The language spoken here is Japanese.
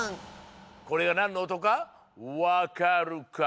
これがなんのおとかわかるかＹＯ！？